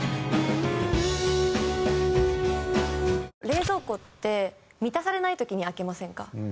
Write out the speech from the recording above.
冷蔵庫って満たされない時に開けませんか？